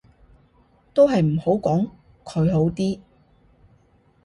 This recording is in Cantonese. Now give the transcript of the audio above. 都係唔好講佢好啲